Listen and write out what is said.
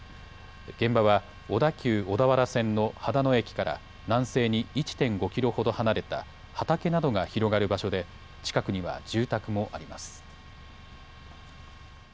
現場は小田急小田原線の秦野駅から南西に１．５キロほど離れた畑などが広がる場所で近くには住宅もあります。